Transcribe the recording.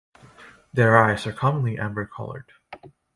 Their eyes are commonly amber-colored.